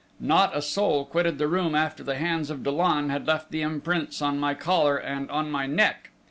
Not a soul quitted the room after the hands of Dollon had left imprints on my collar and on my neck.